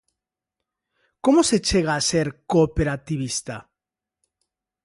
Como se chega a ser cooperativista?